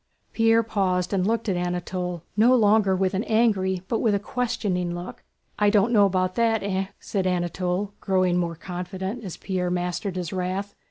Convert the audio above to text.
Pierre paused and looked at Anatole no longer with an angry but with a questioning look. "I don't know about that, eh?" said Anatole, growing more confident as Pierre mastered his wrath.